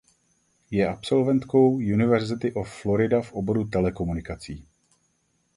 Je absolventkou University of Florida v oboru telekomunikací.